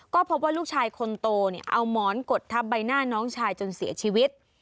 ก็พบว่าลูกชายคนโตเอาหมอนกดทับใบหน้าน้องชายจนเสียชีวิต